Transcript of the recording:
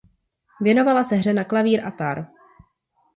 Věnovala se hře na klavír a tar.